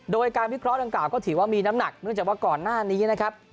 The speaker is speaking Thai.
โดยการวิเคราะห์ดังกล่าก็ถือว่ามีน้ำหนักเนื่องจากว่าก่อนหน้านี้นะครับ